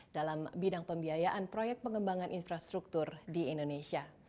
dalam bidang pembiayaan proyek pengembangan infrastruktur di indonesia